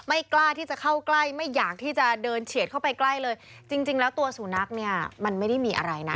กล้าที่จะเข้าใกล้ไม่อยากที่จะเดินเฉียดเข้าไปใกล้เลยจริงจริงแล้วตัวสุนัขเนี่ยมันไม่ได้มีอะไรนะ